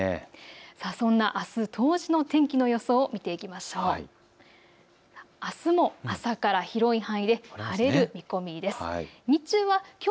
そんなあす、冬至の天気の予想を見ていきましょう。